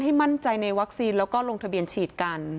มั่นใจในวัคซีนแล้วก็ลงทะเบียนฉีดกัน